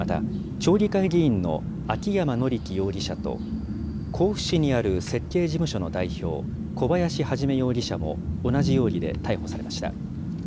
また町議会議員の秋山詔樹容疑者と甲府市にある設計事務所の代表、小林一容疑者も同じ容疑で逮捕されました。